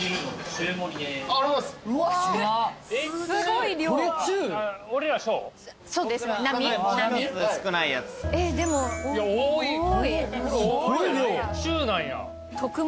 中なんや。